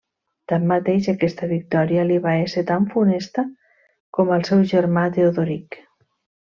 Tanmateix, aquesta victòria li va ésser tan funesta com al seu germà Teodoric.